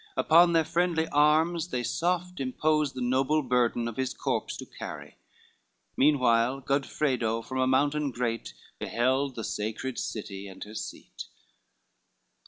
Upon their friendly arms they soft impose The noble burden of his corpse to carry: Meanwhile Godfredo from a mountain great Beheld the sacred city and her seat.